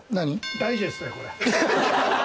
ダイジェストや、これ。